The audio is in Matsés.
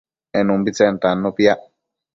en umbitsen tannu piac